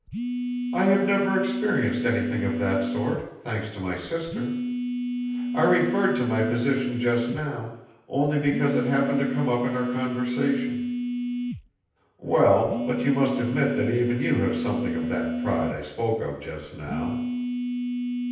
"I have never experienced anything of that sort, thanks to my sister. I referred to my position just now only because it happened to come up in our conversation." "Well, but you must admit that even you have something of that pride I spoke of just now."